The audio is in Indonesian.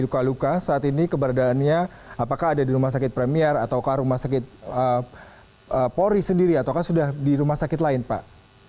luka luka saat ini keberadaannya apakah ada di rumah sakit premier atau rumah sakit polri sendiri atau sudah di rumah sakit lain pak